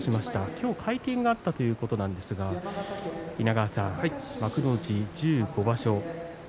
今日、会見があったということなんですが稲川さん、幕内１５場所